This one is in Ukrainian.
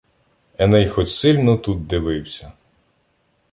Еней хоть сильно тут дивився